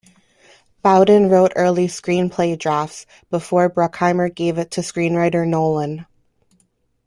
Bowden wrote early screenplay drafts, before Bruckheimer gave it to screenwriter Nolan.